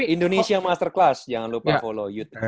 indonesia masterclass jangan lupa follow youtube